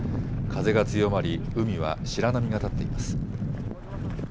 風が強まり海は白波が立っています。